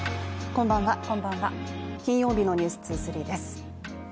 こんばんは、金曜日の「ｎｅｗｓ２３」です。